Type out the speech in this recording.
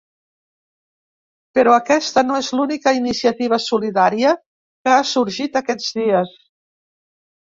Però aquesta no és l’única iniciativa solidària que ha sorgit aquests dies.